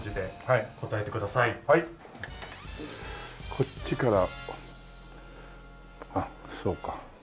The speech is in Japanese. こっちからあっそうか。